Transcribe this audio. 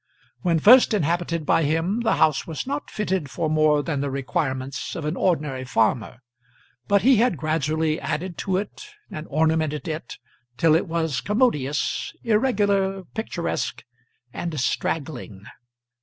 When first inhabited by him the house was not fitted for more than the requirements of an ordinary farmer, but he had gradually added to it and ornamented it till it was commodious, irregular, picturesque, and straggling.